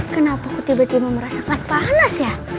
kenapa aku tiba tiba merasakan panas ya